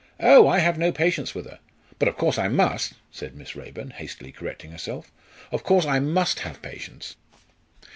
Oh! I have no patience with her. But, of course, I must " said Miss Raeburn, hastily correcting herself "of course, I must have patience."